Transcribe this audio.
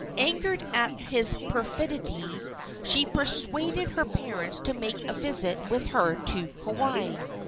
Angered at his perfidy, she persuaded her parents to make a visit with her to Kauai.